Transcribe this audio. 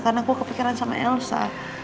karena aku kepikiran sama elsa